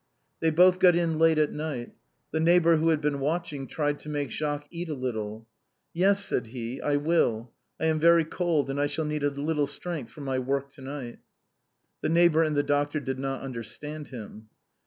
They both got in late at night. The neighbor who had been watching tried to make Jacques eat a little. " Yes," said he, " I will ; I am very cold, and I shall need a little strength for my work to night." The neighbor and the doctor did not understand him.